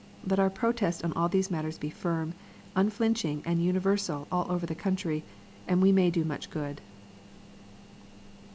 Let our protest on all these matters be firm, unflinch ing, and universal all over the country, and we may do much good.